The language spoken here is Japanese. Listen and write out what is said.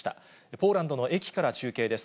ポーランドの駅から中継です。